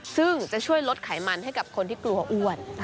ซึ่งจะช่วยลดไขมันให้กับคนที่กลัวอ้วน